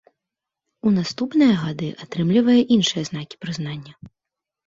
У наступныя гады атрымлівае іншыя знакі прызнання.